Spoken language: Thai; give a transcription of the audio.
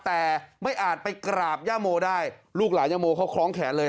แต่ไม่อาจไปกราบย่าโมได้ลูกหลานย่าโมเขาคล้องแขนเลย